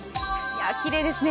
きれいですね。